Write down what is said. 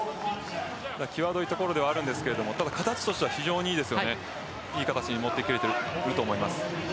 際どいところではあるんですが形としては非常にいい形に持ってきていると思います。